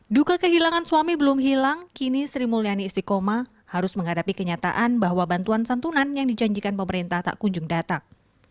duka kehilangan suami belum hilang kini sri mulyani istiqomah harus menghadapi kenyataan bahwa bantuan santunan yang dijanjikan pemerintah tak kunjung datang